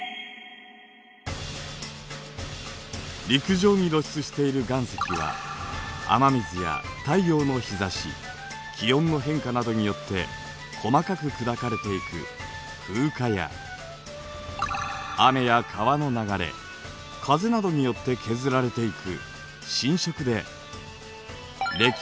陸上に露出している岩石は雨水や太陽の日差し気温の変化などによって細かく砕かれていく風化や雨や川の流れ風などによって削られていく侵食でれき